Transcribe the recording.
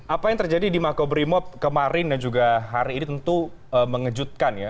apa yang terjadi di makobrimob kemarin dan juga hari ini tentu mengejutkan ya